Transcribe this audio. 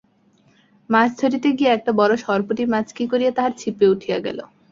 মাছ ধরিতে গিয়া একটা বড় সরপুঁটি মাছ কি করিয়া তাহার ছিপে উঠিয়া গেল।